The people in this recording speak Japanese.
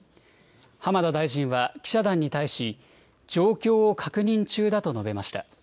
浜田大臣は記者団に対し、状況を確認中だと述べました。